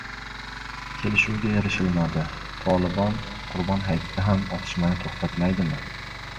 Kelishuvga erishilmadi: "Tolibon" Qurbon hayitida ham otishmani to‘xtatmaydimi?